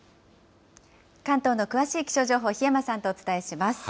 関東の詳しい気象情報、檜山さんとお伝えします。